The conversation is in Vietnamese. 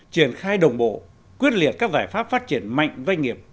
triển khai đồng bộ quyết liệt các giải pháp phát triển mạnh doanh nghiệp